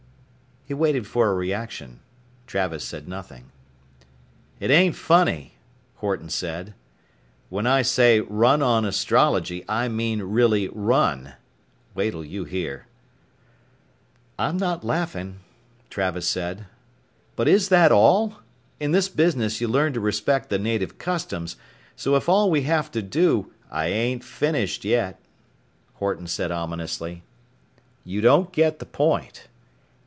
He waited for a reaction. Travis said nothing. "It ain't funny," Horton said. "When I say run on astrology I mean really run. Wait'll you hear." "I'm not laughing," Travis said. "But is that all? In this business you learn to respect the native customs, so if all we have to do " "I ain't finished yet," Horton said ominously, "you don't get the point.